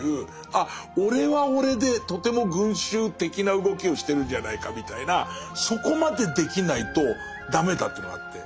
あっ俺は俺でとても群衆的な動きをしてるんじゃないかみたいなそこまでできないとダメだというのがあって。